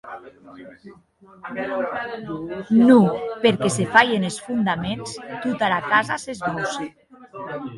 Non, perque se falhen es fondaments, tota era casa s'esbauce.